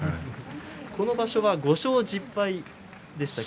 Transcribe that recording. この場所は５勝１０敗でした。